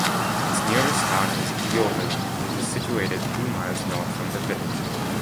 Its nearest town is Yeovil, which is situated two miles north from the village.